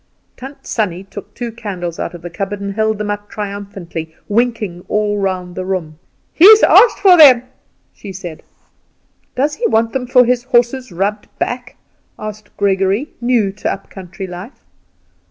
Tant Sannie took two candles out of the cupboard and held them up triumphantly, winking all round the room. "He's asked for them," she said. "Does he want them for his horse's rubbed back?" asked Gregory, new to up country life.